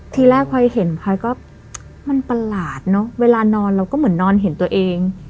ทีแรกพลอยเห็นพลอยก็มันประหลาดเนอะเวลานอนเราก็เหมือนนอนเห็นตัวเอง